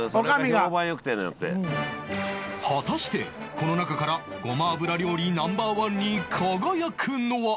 果たしてこの中からごま油料理 Ｎｏ．１ に輝くのは？